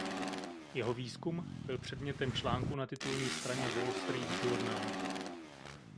Jeho výzkum byl předmětem článku na titulní straně "Wall Street Journal".